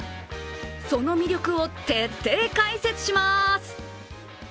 その魅力を徹底解説します。